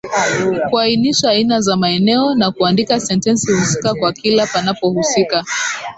Kuainisha aina za maneno na kuandika sentensi husika kwa kila panapohusika.